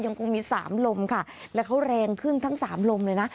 ยังคงมี๓ลมค่ะและเขาแรงขึ้นทั้ง๓ลมเลยนะ